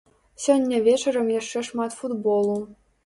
Сёння вечарам яшчэ шмат футболу.